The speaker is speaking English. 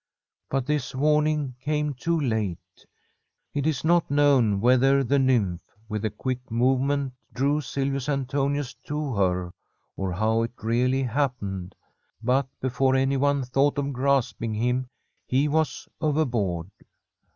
But this warning came too late. It is not known whether the nymph, with a quick movement, drew Silvius Antonius to her, or how it really happened, but before anyone thought of grasp ing him, he was overboard.